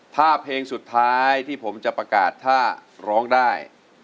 ถ้าเพลงสุดท้ายที่ผมจะประกาศถ้าร้องได้